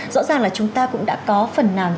rõ ràng là chúng ta cũng đã có phần nào